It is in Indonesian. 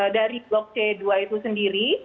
dari blok c dua itu sendiri